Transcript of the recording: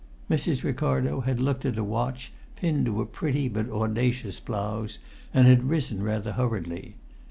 Mrs. Ricardo had looked at a watch pinned to a pretty but audacious blouse, and had risen rather hurriedly.